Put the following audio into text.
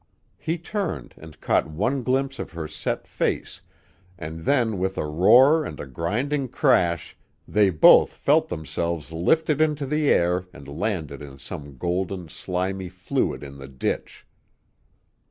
He turned and caught one glimpse of her set face, and then with a roar and a grinding crash they both felt themselves lifted into the air and landed in some golden, slimy fluid in the ditch.